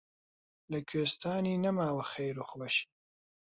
لە کوێستانی نەماوە خێر و خۆشی